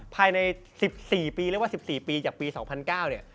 ภายใน๑๔ปีเรียกว่า๑๔ปีจากปี๒๐๐๙เนี่ย